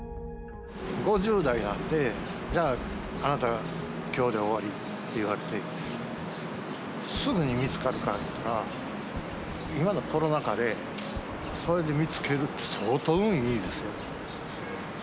５０代になって、じゃあ、あなた、きょうで終わりって言われて、すぐに見つかるかっていったら、今のコロナ禍で、そういうの見つけるって、相当運いいですよ。